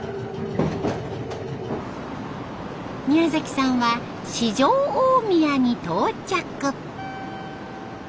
宮さんは四条大宮に到着。